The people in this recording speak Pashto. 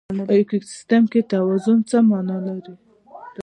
په ایکوسیستم کې توازن څه مانا لري؟